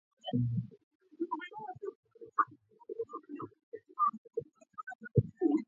Nkrumah সরকার উৎখাত না হওয়া পর্যন্ত তিনি এই পদে ছিলেন।